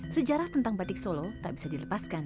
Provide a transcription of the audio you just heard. sejarah tentang batik solo tak bisa dilepaskan